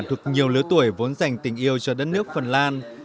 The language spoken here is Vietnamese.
thuộc nhiều lứa tuổi vốn dành tình yêu cho đất nước phần lan